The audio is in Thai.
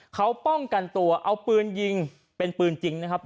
เขาป้องกันตัวเอาปืนยิงเป็นปืนจริงนะครับ